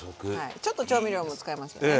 ちょっと調味料も使いますけどね。